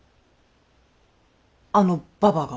あのババが。